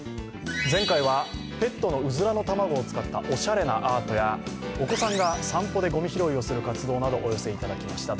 前回はペットのうずらの卵を使ったおしゃれなアートやお子さんが散歩でごみ拾いをする活動などお寄せいただきました。